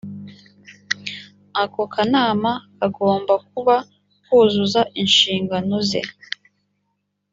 ako kanama kagomba kuba kuzuza inshingano ze